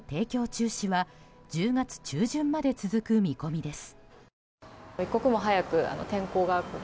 中止は１０月中旬まで続く見込みです。